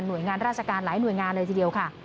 โดยงานราชการหลายหน่วยงานเลยทีเดียวค่ะ